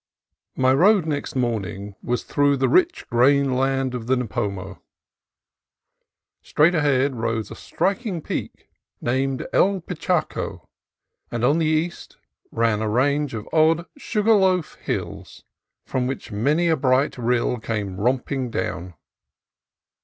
My road next morning was through the rich grain land of the Nipomo. Straight ahead rose a striking peak named El Picacho, and on the east ran a range of odd, sugar loaf hills, from which many a bright rill came romping down.